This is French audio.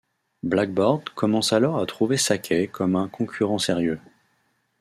Blackboard commence alors à trouver Sakai comme un concurrent sérieux.